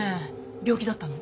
病気だったの？